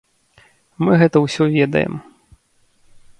Мы гэта ўсё ведаем.